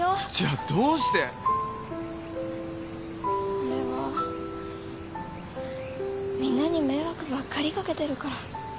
俺はみんなに迷惑ばっかり掛けてるから。